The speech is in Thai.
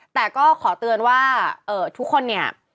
แต่ก็ขอเตือนว่าทุกคนเนี่ย